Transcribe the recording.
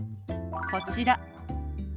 こちら。